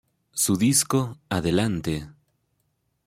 Su disco "Adelante!